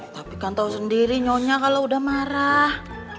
tapi kan tau sendiri nyonya kalo udah marah